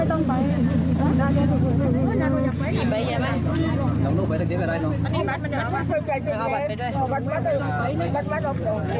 โอ้โฮ